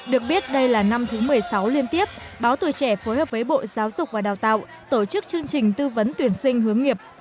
được biết đây là năm thứ một mươi sáu liên tiếp báo tuổi trẻ phối hợp với bộ giáo dục và đào tạo tổ chức chương trình tư vấn tuyển sinh hướng nghiệp